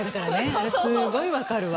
あれすっごい分かるわ。